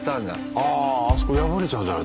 ああそこ破れちゃうじゃない。